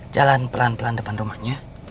jalan pelan pelan depan rumahnya